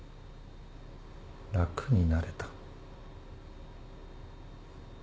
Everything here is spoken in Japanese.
楽になれた。